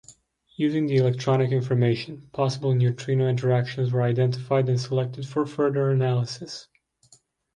Using the electronic information, possible neutrino interactions were identified and selected for further analysis.